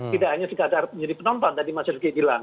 tidak hanya sekadar penonton tadi mas riefke bilang